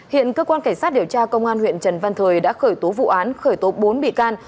hiện cơ quan cảnh sát điều tra công an huyện trần văn thời đã khởi tố vụ án khởi tố bốn bị can